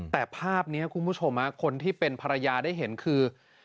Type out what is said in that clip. แต่ภาพนี้คุณผู้ชมคนที่เป็นภรรยาได้เห็นคือ